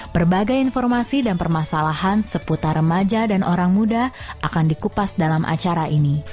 berbagai informasi dan permasalahan seputar remaja dan orang muda akan dikupas dalam acara ini